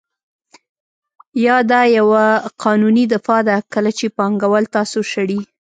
یا دا یوه قانوني دفاع ده کله چې پانګوال تاسو شړي